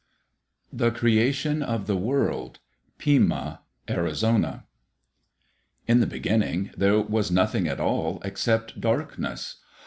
The Creation of the World Pima (Arizona) In the beginning there was nothing at all except darkness.